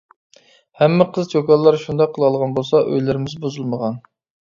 ھەممە قىز چوكانلار شۇنداق قىلالىغان بولسا ئۆيلىرىمىز بۇزۇلمىغان.